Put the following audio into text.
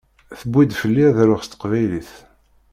Tuwi-d fell-i ad aruɣ s teqbaylit.